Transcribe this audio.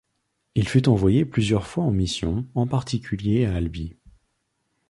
Il fut envoyé plusieurs fois en missions, en particulier à Albi.